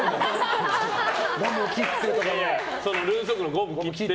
ゴム切って。